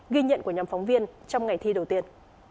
ghi nhận của nhóm phóng viên trong ngày thi đầu tiên